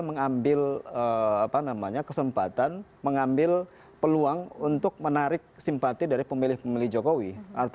mengambil kesempatan mengambil peluang untuk menarik simpati dari pemilih pemilih jokowi